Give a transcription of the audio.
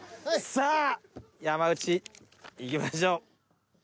さあ山内いきましょう。